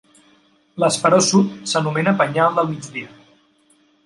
L'esperó sud s'anomena penyal del Migdia.